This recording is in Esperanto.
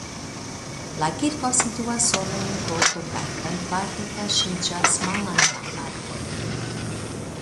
La kirko situas sola en korto kaj grandparte kaŝiĝas malantaŭ arboj.